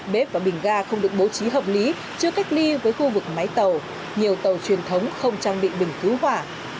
bếp và bình ga không được bố trí hợp lý chưa cách ly với khu vực máy tàu nhiều tàu truyền thống không trang bị bình cứu hỏa